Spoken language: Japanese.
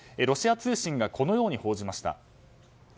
ロシア通信がこのように報じました。